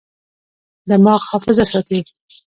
دماغ حافظه ساتي.